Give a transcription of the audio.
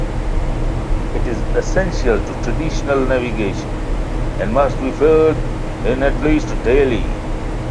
It is essential to traditional navigation, and must be filled in at least daily.